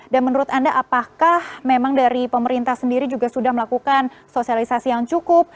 dan menurut anda apakah memang dari pemerintah sendiri juga sudah melakukan sosialisasi yang cukup